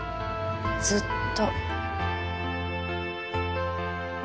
ずっと。